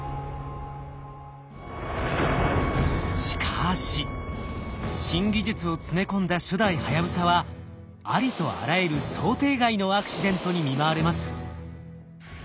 しかし新技術を詰め込んだ初代はやぶさはありとあらゆる想定外のアクシデントに見舞われます。